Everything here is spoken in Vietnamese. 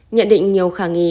nhận định nhiều khả nghi